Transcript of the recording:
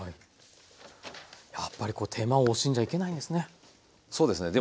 やっぱり手間を惜しんじゃいけないんですね。